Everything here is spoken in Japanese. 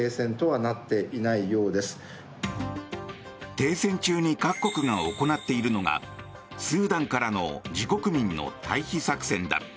停戦中に各国が行っているのがスーダンからの自国民の退避作戦だ。